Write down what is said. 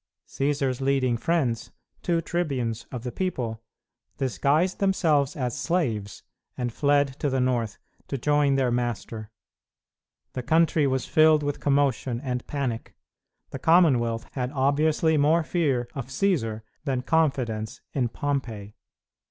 Cćsar's leading friends, two tribunes of the people, disguised themselves as slaves and fled to the north to join their master. The country was filled with commotion and panic. The Commonwealth had obviously more fear of Cćsar than confidence in Pompey.